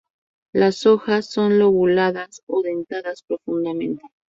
Las hojas son lobuladas o dentadas profundamente.